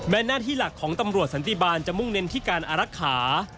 หน้าที่หลักของตำรวจสันติบาลจะมุ่งเน้นที่การอารักษา